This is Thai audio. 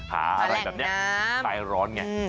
หาอะไรแบบเนี่ยใต้ร้อนไง